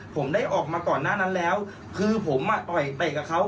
ผมได้ออกมาก่อนหน้านั้นแล้วคือผมอ่ะต่อยเตะกับเขา